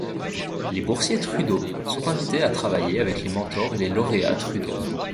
Les boursiers Trudeau sont invités à travailler avec les mentors et les lauréats Trudeau.